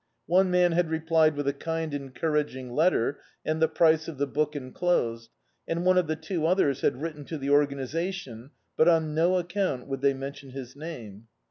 One man had replied with a kind encouraging letter and the price of the book en closed, and one of the two others had written to the Organisarion, but, on no accoimt, would diey menrion his name.